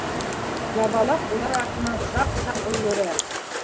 Ябалаҡ улар артынан саҡ-саҡ өлгөрә.